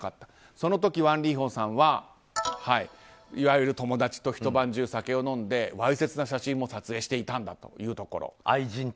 その時ワン・リーホンさんはいわゆる友達とひと晩中、酒を飲んでわいせつな写真も撮影していたんだというところ。